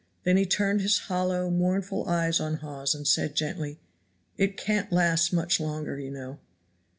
Then he turned his hollow, mournful eyes on Hawes and said gently, "It can't last much longer, you know."